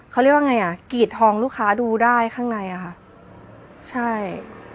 เขาเรียกว่าไงอ่ะกรีดทองลูกค้าดูได้ข้างในอ่ะค่ะใช่